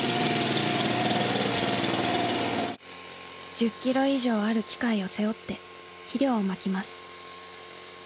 １０キロ以上ある機械を背負って肥料をまきます。